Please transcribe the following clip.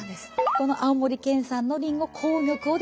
この青森県産のりんご紅玉をですね